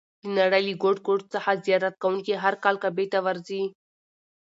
د نړۍ له ګوټ ګوټ څخه زیارت کوونکي هر کال کعبې ته ورځي.